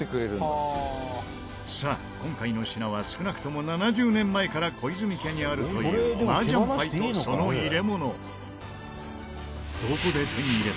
さあ今回の品は少なくとも７０年前から小泉家にあるという麻雀牌とその入れ物。